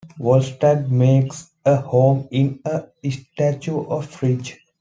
Volstagg makes a home in a statue of Frigg.